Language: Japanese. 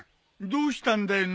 どうしたんだよ